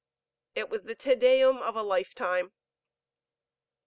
It was the "Te Deum" of a life time.